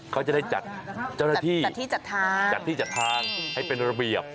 เขาจะได้จัดที่จัดทางจัดที่จัดทางให้เป็นระเบียบ